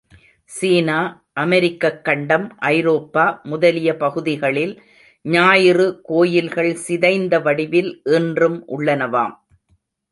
சீனா, அமெரிக்கக் கண்டம், ஐரோப்பா முதலிய பகுதிகளில் ஞாயிறு கோயில்கள் சிதைந்த வடிவில் இன்றும் உள்ளனவாம்.